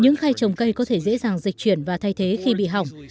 những khay trồng cây có thể dễ dàng dịch chuyển và thay thế khi bị hỏng